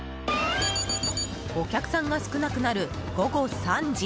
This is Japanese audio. お客さんが少なくなる午後３時。